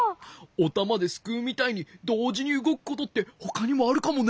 おたまですくうみたいにどうじにうごくことってほかにもあるかもね。